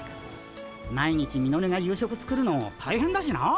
毎日ミノルが夕食作るの大変だしな。